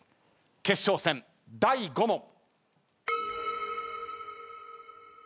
決勝戦第５問。